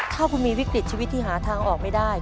ถ้าคุณมีวิกฤตชีวิตที่หาทางออกไม่ได้